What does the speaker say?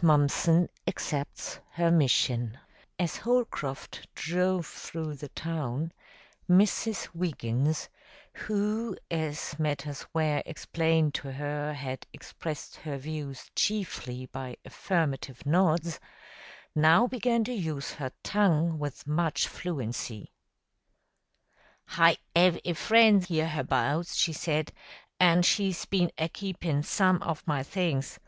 Mumpson Accepts Her Mission As Holcroft drove through the town, Mrs. Wiggins, who, as matters were explained to her, had expressed her views chiefly by affirmative nods, now began to use her tongue with much fluency. "Hi 'ave a friend 'herhabouts," she said, "an' she's been a keepin' some of my things.